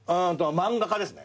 漫画家ですね。